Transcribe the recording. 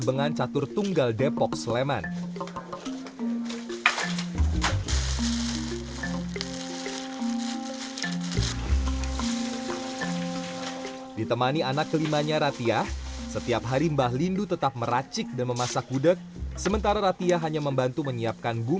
buk mbah lindu ini enam